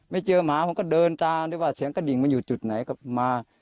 ไม่เจอหมาผมก็เดินตามด้วยว่าเสียงกระดิ่งมันอยู่จุดไหนก็มา